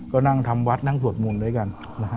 ก็นั่งทำวัดนั่งสวดมนต์ด้วยกันนะฮะ